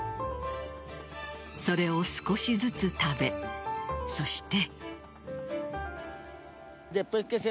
それを少しずつ食べそして。